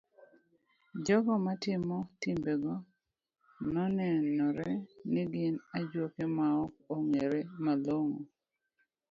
Jogo matimo timbego nenore ni gin ajuoke maok ong'ere malong'o.